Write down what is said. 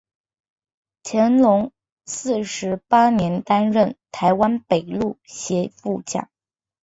乾隆四十八年担任台湾北路协副将。